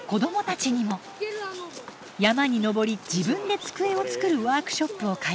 山に登り自分で机を作るワークショップを開催。